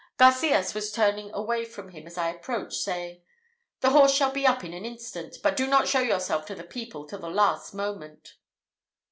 Garcias was turning away from him as I approached, saying, "The horse shall be up in an instant, but do not show yourself to the people till the last moment."